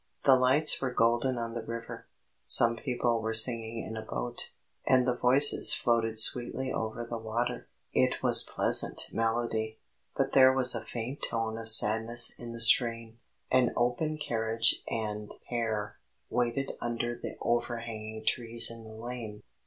The lights were golden on the river. Some people were singing in a boat, and the voices floated sweetly over the water; it was pleasant melody, but there was a faint tone of sadness in the strain. An open carriage and pair waited under the overhanging trees in the lane.